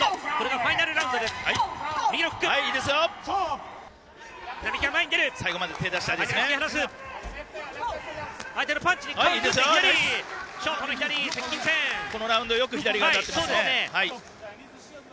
このラウンドはよく左が当たっていますね。